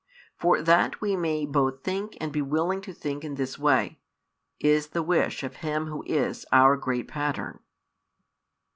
For that we may both think and be willing to think in this way, is the wish of Him Who is our great Pattern.